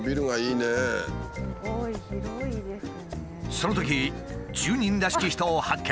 そのとき住人らしき人を発見。